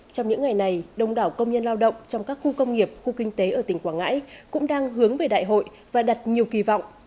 trong những ngày này đông đảo công nhân lao động trong các khu công nghiệp khu kinh tế ở tỉnh quảng ngãi cũng đang hướng về đại hội và đặt nhiều kỳ vọng